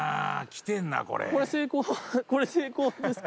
きてんなこれ。